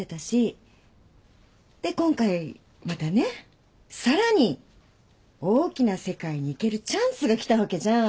で今回またねさらに大きな世界に行けるチャンスが来たわけじゃん。